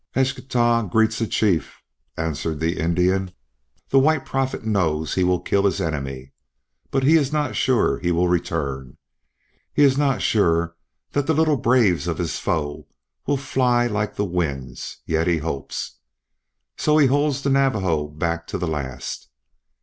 "Eschtah greets a chief," answered the Indian. "The White Prophet knows he will kill his enemy, but he is not sure he will return. He is not sure that the little braves of his foe will fly like the winds, yet he hopes. So he holds the Navajo back to the last.